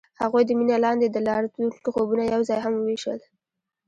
هغوی د مینه لاندې د راتلونکي خوبونه یوځای هم وویشل.